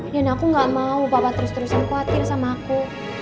dan aku gak mau bapak terus terusan khawatir sama aku